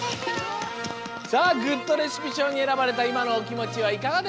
さあグッドレシピしょうにえらばれたいまのおきもちはいかがですか？